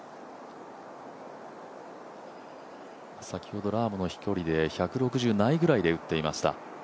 先ほどラームの飛距離で、１６０ないぐらいで打っていました。